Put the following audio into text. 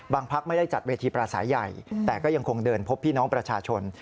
พักไม่ได้จัดเวทีปราศัยใหญ่แต่ก็ยังคงเดินพบพี่น้องประชาชน